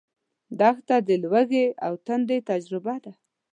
دښته د لوږې او تندې تجربه ده.